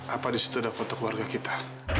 apa di situ ada foto keluarga kita